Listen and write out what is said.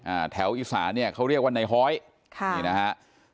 อ่าแถวอีสานเนี้ยเขาเรียกว่าในฮ้อยค่ะนี่นะฮะ